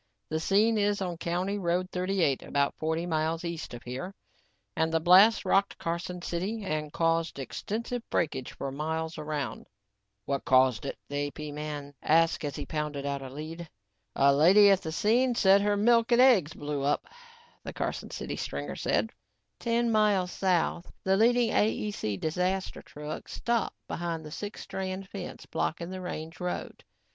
"The scene is on County Road 38, about forty miles east of here and the blast rocked Carson City and caused extensive breakage for miles around." "What caused it," the AP desk man asked as he pounded out a lead. "A lady at the scene said her milk and eggs blew up," the Carson City stringer said. Ten miles south, the leading AEC disaster truck stopped behind the six strand fence blocking the range road.